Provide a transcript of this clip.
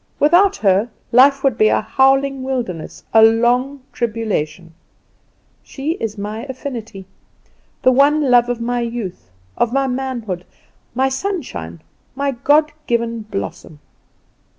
Without her, life would be a howling wilderness, a long tribulation. She is my affinity; the one love of my life, of my youth, of my manhood; my sunshine; my God given blossom.